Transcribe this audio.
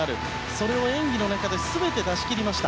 それを演技の中で全て出しきりました。